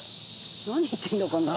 何言ってるのかな。